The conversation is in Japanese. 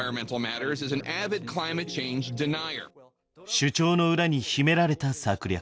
主張の裏に秘められた策略。